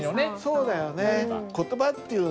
そうだよね。